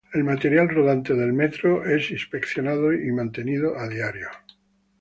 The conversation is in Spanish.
El material rodante del metro es inspeccionado y mantenido a diario.